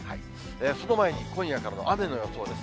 その前に今夜からの雨の予想です。